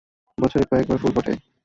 বছরে কয়েকবার ফুল ফোটে।